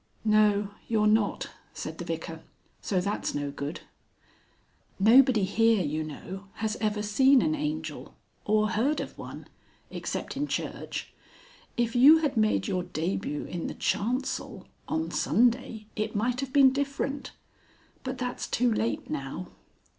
"No, you're not," said the Vicar. "So that's no good." "Nobody here, you know, has ever seen an Angel, or heard of one except in church. If you had made your debut in the chancel on Sunday it might have been different. But that's too late now....